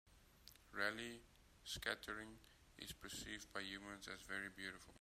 Raleigh scattering is perceived by humans as very beautiful.